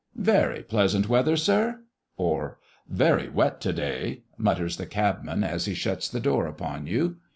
"Very pleasant weather, Sir;" or, "Very wet to day," mutters the cabman as he shuts the door upon you.